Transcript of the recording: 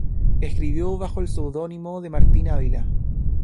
Escribió bajo el seudónimo de Martín Ávila.